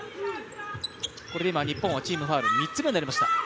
これで今、日本はチームファウル３つ目になりました